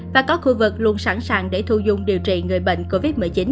và có khu vực luôn sẵn sàng để thu dung điều trị người bệnh covid một mươi chín